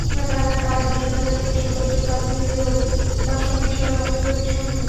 ঢাকায় কাল বৃহস্পতিবার থেকে শুরু হচ্ছে পাঁচ দিনব্যাপী অভিবাসনবিষয়ক আন্তর্জাতিক সম্মেলন।